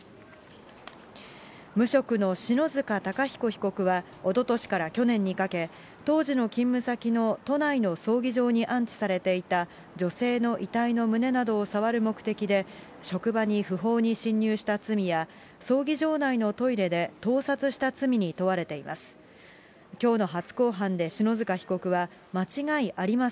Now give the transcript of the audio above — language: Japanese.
無職の篠塚貴彦被告はおととしから去年にかけ、当時の勤務先の都内の葬儀場に安置されていた女性の遺体の胸などを触る目的で、職場に不法に侵入した罪や、葬儀場内のトイレで盗撮した罪に問われています。